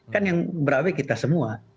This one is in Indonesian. kan yang berawe kita semua